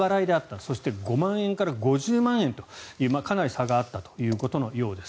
そして５万円から５０万円というかなり差があったということのようです。